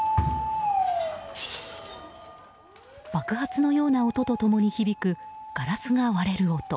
爆発のような音と共に響くガラスが割れる音。